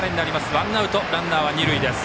ワンアウト、ランナーは二塁。